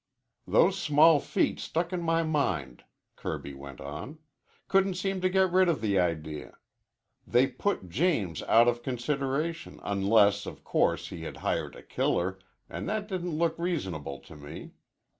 "Those small feet stuck in my mind," Kirby went on. "Couldn't seem to get rid of the idea. They put James out of consideration, unless, of course, he had hired a killer, an' that didn't look reasonable to me.